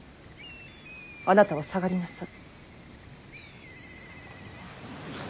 あなたは下がりなさい。